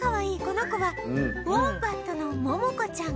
この子はウォンバットのモモコちゃん